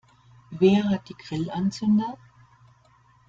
Wer hat die Grillanzünder?